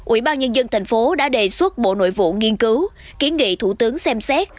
ủy ban nhân dân thành phố đã đề xuất bộ nội vụ nghiên cứu kiến nghị thủ tướng xem xét